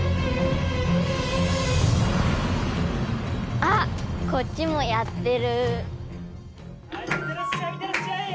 あ、こっちもやってる。